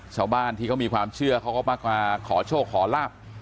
ชาวบ้านที่เขามีความเชื่อเขาก็มาขอโชคขอลาบ